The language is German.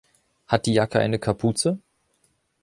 Hat die Jacke eine Kapuze?